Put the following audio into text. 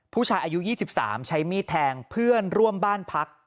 ผู้ชายอายุ๒๓ใช้มีดแทงเพื่อนร่วมบ้านพัก